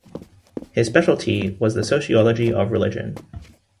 His speciality was the sociology of religion.